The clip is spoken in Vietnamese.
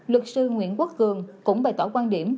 luật sư nguyễn quốc cường cũng bày tỏ quan điểm